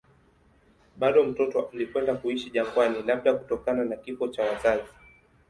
Bado mtoto alikwenda kuishi jangwani, labda kutokana na kifo cha wazazi.